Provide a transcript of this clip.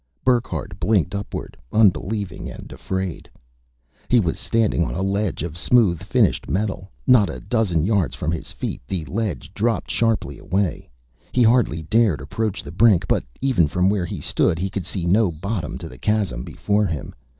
Burckhardt blinked upward, unbelieving and afraid. He was standing on a ledge of smooth, finished metal. Not a dozen yards from his feet, the ledge dropped sharply away; he hardly dared approach the brink, but even from where he stood he could see no bottom to the chasm before him.